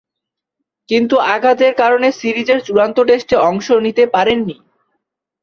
কিন্তু আঘাতের কারণে সিরিজের চূড়ান্ত টেস্টে অংশ নিতে পারেননি।